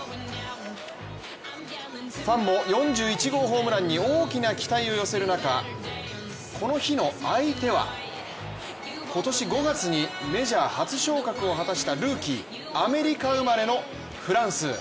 ファンも４１号ホームランに大きな期待を寄せる中この日の相手は今年５月にメジャー初昇格を果たしたルーキーアメリカ生まれのフランス。